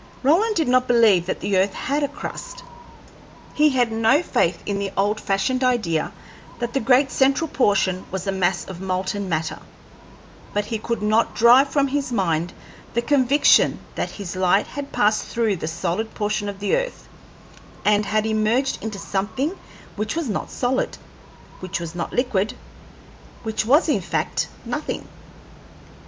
Roland did not believe that the earth had a crust. He had no faith in the old fashioned idea that the great central portion was a mass of molten matter, but he could not drive from his mind the conviction that his light had passed through the solid portion of the earth, and had emerged into something which was not solid, which was not liquid, which was in fact nothing.